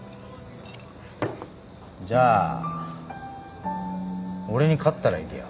じゃあ俺に勝ったら行けよ。